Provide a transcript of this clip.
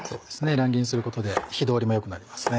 乱切りにすることで火通りもよくなりますね。